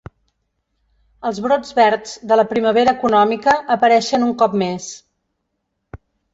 Els brots verds de la primavera econòmica apareixen un cop més.